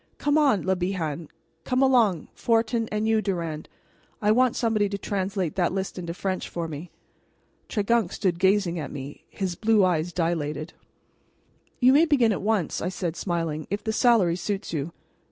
Come on, Le Bihan come along, Fortin and you, Durand. I want somebody to translate that list into French for me." Tregunc stood gazing at me, his blue eyes dilated. "You may begin at once," I said, smiling, "if the salary suits you?"